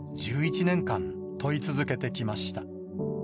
１１年間問い続けてきました。